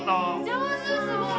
上手すごい！